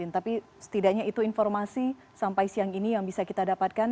tapi setidaknya itu informasi sampai siang ini yang bisa kita dapatkan